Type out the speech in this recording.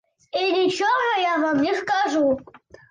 І нічога я вам не скажу.